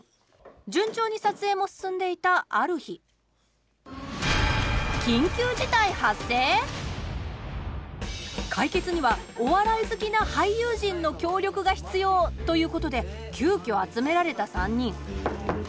順調に撮影も進んでいたある日解決にはお笑い好きな俳優陣の協力が必要ということで失礼します。